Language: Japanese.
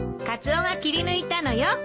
カツオが切り抜いたのよ。